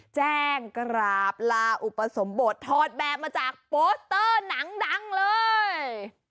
แจ้งกราบลาอุปสมบททอดแบบมาจากโปสเตอร์หนังดังเลย